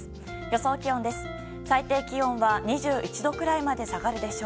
予想気温です。